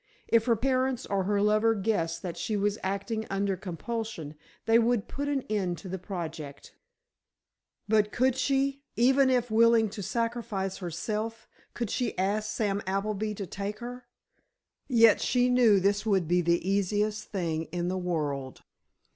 If her parents or her lover guessed that she was acting under compulsion, they would put an end to the project. But could she, even if willing to sacrifice herself, could she ask Sam Appleby to take her? Yet she knew this would be the easiest thing in the world.